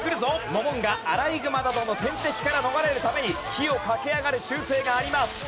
モモンガはアライグマなどの天敵から逃れるために木を駆け上がる習性があります。